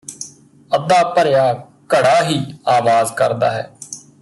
ਅੱਧਾ ਭਰਿਆ ਘੜਾ ਹੀ ਆਵਾਜ਼ ਕਰਦਾ ਹੈ